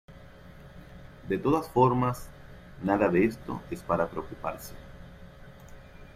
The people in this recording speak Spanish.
De todas formas, nada de esto es para preocuparse".